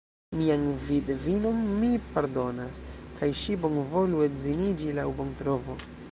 Mian vidvinon mi pardonas, kaj ŝi bonvolu edziniĝi laŭ bontrovo.